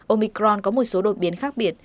omicron có một số đột biến khác biệt